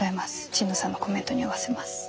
神野さんのコメントに合わせます。